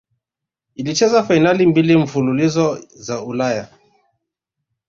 ilicheza fainali mbili mfululizo za ulaya